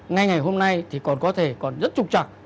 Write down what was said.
ngay ngày hôm nay thì còn có thể còn rất trục trặc